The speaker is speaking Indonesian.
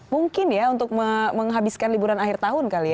mungkin ya untuk menghabiskan liburan akhir tahun kali ya